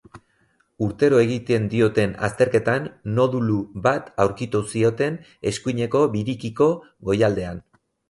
Urtero egiten dioten azterketan nodulu bat aurkitu zioten eskuineko birikiko goialdean.